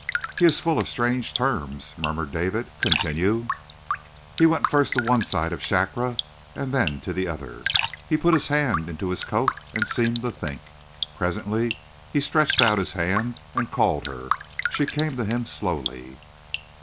"He is full of strange terms," murmured David. "Continue." "He went first to one side of Shakra and then to the other. He put his hand into his coat and seemed to think. Presently he stretched out his hand and called her. She came to him slowly."